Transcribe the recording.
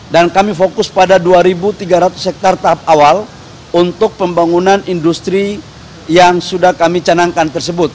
dan kami fokus pada dua tiga ratus hektare tahap awal untuk pembangunan industri yang sudah kami canangkan tersebut